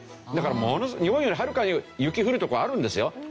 だからものすごい日本よりはるかに雪降る所あるんですよ。